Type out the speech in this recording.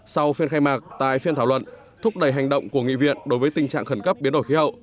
sau phiên khai mạc tại phiên thảo luận thúc đẩy hành động của nghị viện đối với tình trạng khẩn cấp biến đổi khí hậu